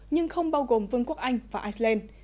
nhưng không bao gồm vương quốc anh và iceland